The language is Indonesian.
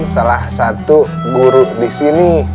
salah satu guru di sini